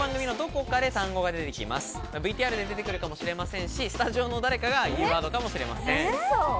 ＶＴＲの中で出てくるかもしれませんし、スタジオの誰かが言うワードかもしれません。